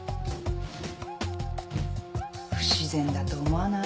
不自然だと思わない？